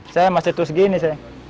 saya masih terus gini saya